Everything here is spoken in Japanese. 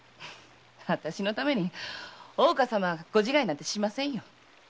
私のために大岡様はご自害などしませんよ。